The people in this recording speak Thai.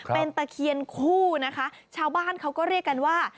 เป็นตะเคียนคู่นะคะชาวบ้านเขาก็เรียกกันว่า